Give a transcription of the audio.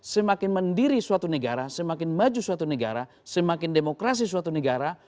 semakin mendiri suatu negara semakin maju suatu negara semakin demokrasi suatu negara